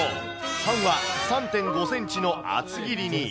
パンは３．５センチの厚切りに。